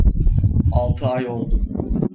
Altı ay oldu.